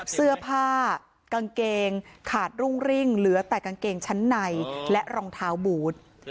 เสื้อผ้ากางเกงขาดรุ่งริ่งเหลือแต่กางเกงชั้นในและรองเท้าบูธ